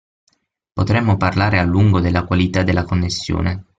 Potremmo parlare a lungo della qualità della connessione.